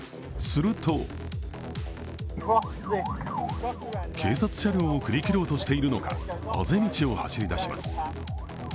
すると警察車両を振り切ろうとしているのか、あぜ道を走り出します。